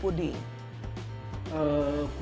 menurutmu apa yang terjadi pada menurutmu